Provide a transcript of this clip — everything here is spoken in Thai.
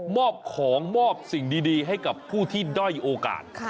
อบของมอบสิ่งดีให้กับผู้ที่ด้อยโอกาส